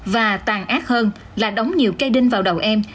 và tàn ác hơn là đóng nhiều cây đinh vào đầu em